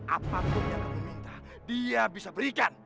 apapun yang kamu minta dia bisa berikan